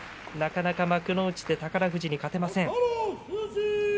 なかなか幕内で宝富士に勝てません。